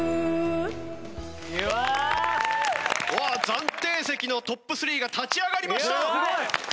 暫定席のトップ３が立ち上がりました！